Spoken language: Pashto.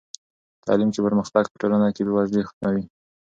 په تعلیم کې پرمختګ په ټولنه کې بې وزلي ختموي.